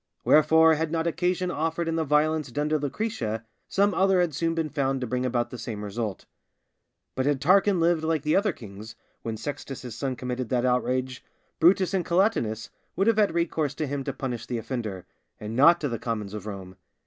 Wherefore, had not occasion offered in the violence done to Lucretia, some other had soon been found to bring about the same result. But had Tarquin lived like the other kings, when Sextus his son committed that outrage, Brutus and Collatinus would have had recourse to him to punish the offender, and not to the commons of Rome.